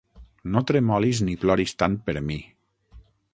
No tremolis ni ploris tant per mi.